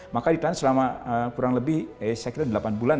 maka ditahan selama kurang lebih delapan bulan